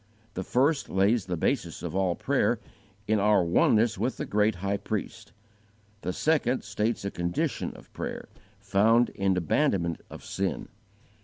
The first lays the basis of all prayer, in our oneness with the great High Priest. The second states a condition of prayer, found in abandonment of sin.